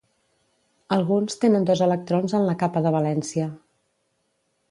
Alguns tenen dos electrons en la capa de valència.